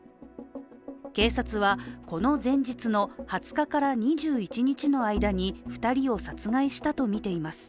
警察はこの前日の２０日から２１日の間に２人を殺害したとみています。